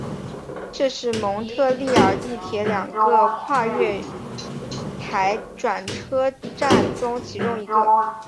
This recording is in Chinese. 这是蒙特利尔地铁两个跨月台转车站中其中一个。